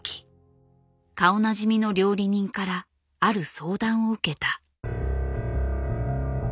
顔なじみの料理人からある相談を受けた。